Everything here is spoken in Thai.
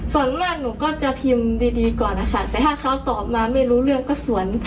ส่วนมากหนูก็จะพิมพ์ดีก่อนนะคะแต่ถ้าเขาตอบมาไม่รู้เรื่องก็สวน